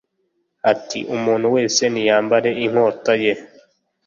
ati “Umuntu wese niyambare inkota ye.”